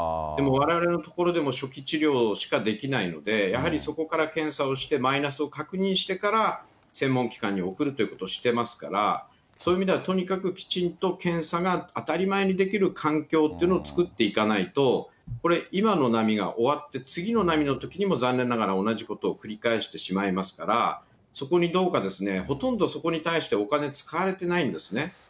でもわれわれの所でも初期治療しかできないので、やはりそこから検査をして、マイナスを確認してから専門機関に送るということをしてますから、そういう意味ではとにかくきちんと検査が当たり前にできる環境っていうのを作っていかないと、これ、今の波が終わって、次の波のときにも残念ながら同じことを繰り返してしまいますから、そこにどうか、ほとんどそこに対してお金使われてないんですね。